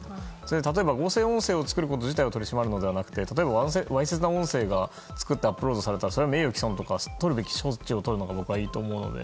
例えば合成音声を作ること自体を取り締まるのでなく例えば、わいせつな音声を作ってアップロードされたらそれは名誉毀損とか、とるべき措置をとるのがいいと思うので。